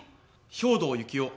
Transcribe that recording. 兵藤幸雄。